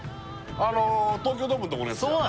あの東京ドームのとこのやつじゃない？